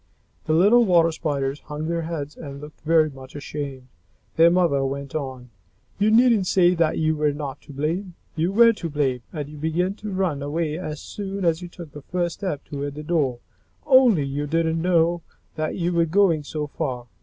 The little Water Spiders hung their heads and looked very much ashamed. Their mother went on, "You needn't say that you were not to blame. You were to blame, and you began to run away as soon as you took the first step toward the door, only you didn't know that you were going so far.